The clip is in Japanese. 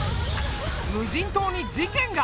無人島に事件が！